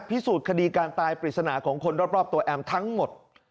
พิสูจน์คดีการตายปริศนาของคนรอบตัวแอมทั้งหมด